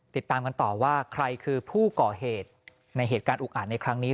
ติดตามกันต่อว่าใครคือผู้ก่อเหตุในเหตุการณ์อุกอาจในครั้งนี้